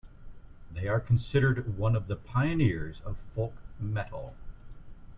They are considered one of the pioneers of folk metal.